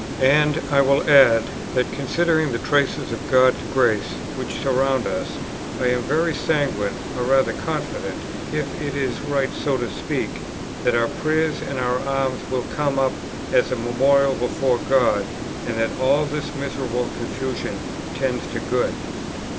"And I will add, that, considering the traces of God's grace which surround us, I am very sanguine, or rather confident, (if it is right so to speak,) that our prayers and our alms will come up as a memorial before God, and that all this miserable confusion tends to good.